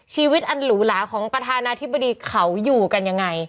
ชีวิตอันหรูหลาของประธานาธิบดีเขาอยู่กันยังไง